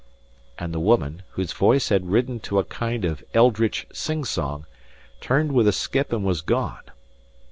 And the woman, whose voice had risen to a kind of eldritch sing song, turned with a skip, and was gone.